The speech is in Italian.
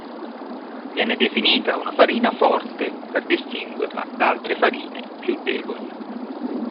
Viene definita una farina "forte" per distinguerla da altre farine, più deboli.